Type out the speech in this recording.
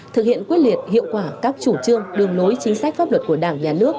thực hiện quyết liệt hiệu quả các chủ trương đường lối chính sách pháp luật của đảng nhà nước